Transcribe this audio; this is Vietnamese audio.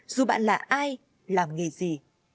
dù bạn là ai làm nghề gì